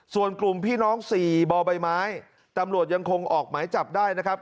ส่วนกลุ่มพี่น้อง๔บ่อใบไม้ตำรวจยังคงออกหมายจับได้นะครับ